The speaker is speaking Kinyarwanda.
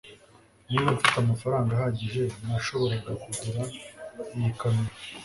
niba mfite amafaranga ahagije, nashoboraga kugura iyi kamera